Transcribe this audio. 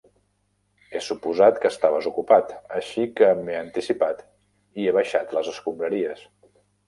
He suposat que estaves ocupat, així que m'he anticipat i he baixat les escombraries.